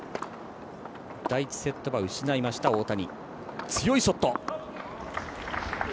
第１セットは失いました、大谷。